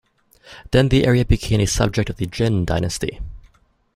Then the area became a subject of the Jin Dynasty.